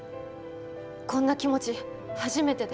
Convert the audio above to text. こんな気持ち初めてで。